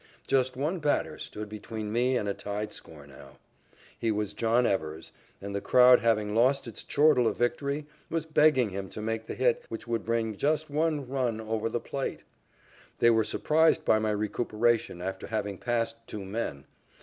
Just one batter stood between me and a tied score now. He was John Evers, and the crowd having lost its chortle of victory, was begging him to make the hit which would bring just one run over the plate. They were surprised by my recuperation after having passed two men.